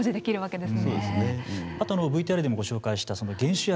あとＶＴＲでもご紹介した減酒薬